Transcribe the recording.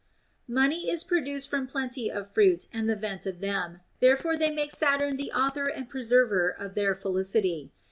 Money is produced from plenty of fruit and the vent of them, therefore they make Saturn the author and pre server of their felicity.